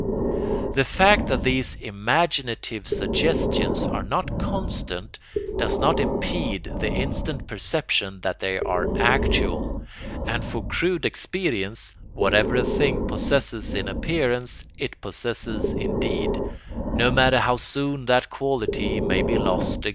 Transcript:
The fact that these imaginative suggestions are not constant does not impede the instant perception that they are actual, and for crude experience whatever a thing possesses in appearance it possesses indeed, no matter how soon that quality may be lost again.